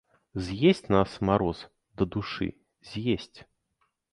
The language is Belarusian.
З'есць нас мароз, дадушы, з'есць.